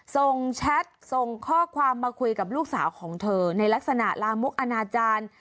แชทส่งข้อความมาคุยกับลูกสาวของเธอในลักษณะลามกอนาจารย์